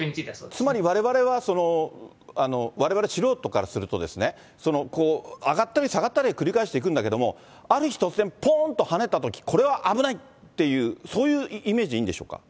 つまり、われわれ素人からすると、上がったり下がったりを繰り返していくんだけれども、ある日突然、ぽーんと跳ねたとき、これは危ないっていう、そういうイメージでいいんでしょうか？